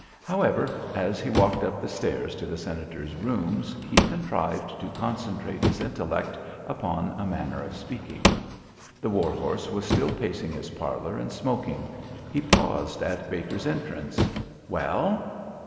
However, as he walked up the stairs to the Senator's rooms he contrived to concentrate his intellect upon a manner of speaking. The war horse was still pacing his parlour and smoking. He paused at Baker's entrance. "Well?"